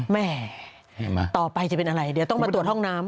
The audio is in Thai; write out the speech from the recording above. แม่ต่อไปจะเป็นอะไรเดี๋ยวต้องมาตรวจห้องน้ำ